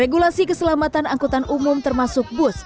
regulasi keselamatan angkutan umum termasuk bus